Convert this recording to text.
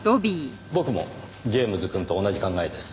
僕もジェームズくんと同じ考えです。